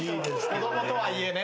子供とはいえね。